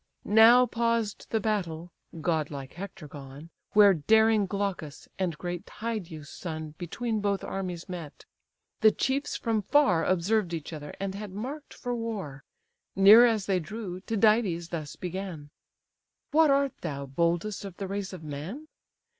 Now paused the battle (godlike Hector gone), Where daring Glaucus and great Tydeus' son Between both armies met: the chiefs from far Observed each other, and had mark'd for war. Near as they drew, Tydides thus began: "What art thou, boldest of the race of man?